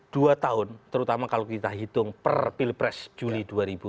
dua tahun terutama kalau kita hitung per pilpres juli dua ribu dua puluh